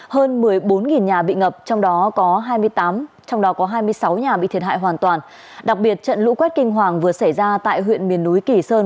hơn một mươi bốn nhà bị ngập trong đó có hai mươi sáu nhà bị thiệt hại hoàn toàn đặc biệt trận lũ quét kinh hoàng vừa xảy ra tại huyện miền núi kỳ sơn